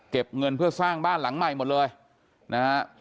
เงินเพื่อสร้างบ้านหลังใหม่หมดเลยนะฮะ